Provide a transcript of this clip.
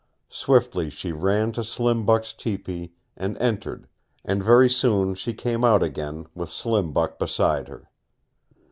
Swiftly she ran to Slim Buck's tepee, and entered, and very soon she came out again with Slim Buck beside her.